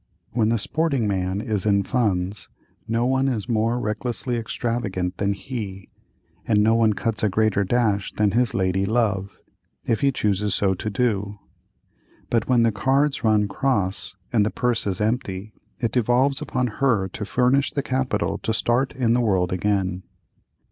When the "sporting man" is in funds, no one is more recklessly extravagant than he, and no one cuts a greater dash than his "ladye love," if he chooses so to do; but when the cards run cross, and the purse is empty, it devolves upon her to furnish the capital to start in the world again.